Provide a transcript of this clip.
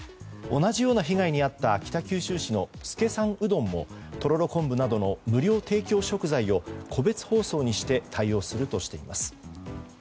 同じような被害に遭った北九州市の資さんうどんもとろろ昆布などの無料提供食材を個別包装にして対応するとしています。